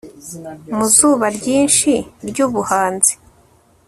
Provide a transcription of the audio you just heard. Mu zuba ryinshi ryubuhanzi